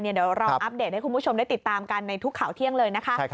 เดี๋ยวเราอัปเดตให้คุณผู้ชมได้ติดตามกันในทุกข่าวเที่ยงเลยนะคะ